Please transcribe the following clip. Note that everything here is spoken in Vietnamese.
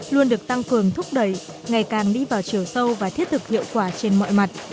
luôn được tăng cường thúc đẩy ngày càng đi vào chiều sâu và thiết thực hiệu quả trên mọi mặt